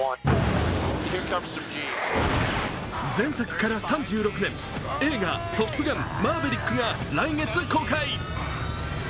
前作から３６年、映画「トップガンマーヴェリック」が来月公開。